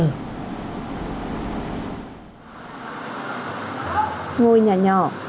ngôi nhà nhỏ ở phố nghĩa tân quận cầu giấy thành phố hà nội